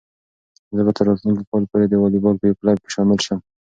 زه به تر راتلونکي کال پورې د واليبال په یو کلب کې شامل شم.